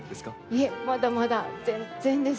いえまだまだ全然です。